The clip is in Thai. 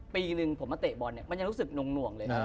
ปีหนึ่งผมมาเตะบอลเนี่ยมันยังรู้สึกหน่วงเลยนะ